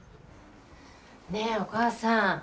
ねえお母さん。